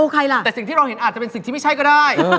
ใครล่ะแต่สิ่งที่เราเห็นอาจจะเป็นสิ่งที่ไม่ใช่ก็ได้